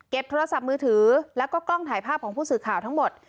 โทรศัพท์มือถือแล้วก็กล้องถ่ายภาพของผู้สื่อข่าวทั้งหมด